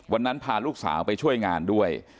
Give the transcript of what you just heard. ดังนั้นพาลูกสาวไปช่วยงานด้วย